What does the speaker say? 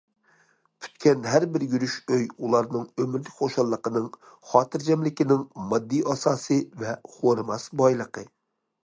پۈتكەن ھەر بىر يۈرۈش ئۆي ئۇلارنىڭ ئۆمۈرلۈك خۇشاللىقىنىڭ، خاتىرجەملىكىنىڭ ماددىي ئاساسى ۋە خورىماس بايلىقى.